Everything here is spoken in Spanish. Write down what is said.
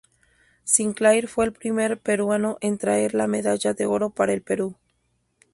Sinclair fue el primer peruano en traer la medalla de oro para el Perú.